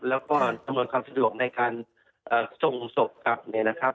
แล้วก็อำนวยความสะดวกในการส่งศพกลับเนี่ยนะครับ